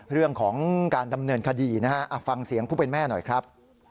เรื่องของการดำเนินคดีนะฮะฟังเสียงผู้เป็นแม่หน่อยครับ